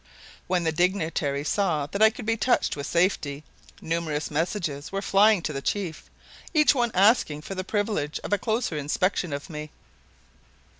When the dignitaries saw that I could be touched with safety, numerous messages were flying to the chief, each one asking for the privilege of a closer inspection of me.